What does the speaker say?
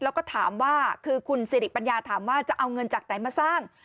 แล้วก็ถามว่าคือคุณสิริปัญญาถามว่าจะเอาเงินจากไหนมาสร้าง